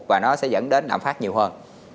và nó sẽ dẫn đến lãm phát nhiều hơn